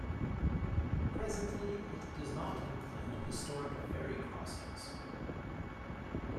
Presently it does not include historic ferry crossings.